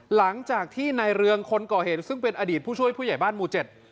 หลังจากที่ในเรืองคนก่อเหตุซึ่งเป็นอดีตผู้ช่วยผู้ใหญ่บ้านหมู่เจ็ด